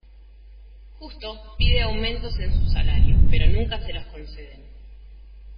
Justo pide aumentos en su salario, pero nunca se los conceden.